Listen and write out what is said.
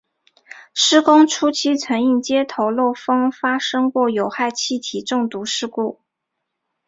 施工初期曾因接头漏风发生过有害气体中毒事故。